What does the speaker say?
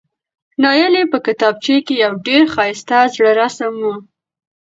نایلې په کتابچه کې یو ډېر ښایسته زړه رسم و،